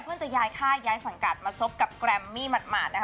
เพื่อจะย้ายค่ายย้ายสังกัดมาซบกับแกรมมี่หมาดนะคะ